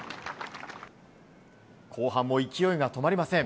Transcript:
後半も勢いが止まりません。